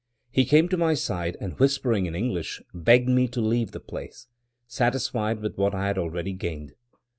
He came to my side, and whispering in English, begged me to leave the place, satisfied with what I had already gained.